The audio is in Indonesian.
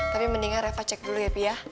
tapi mendingan reva cek dulu ya fi ya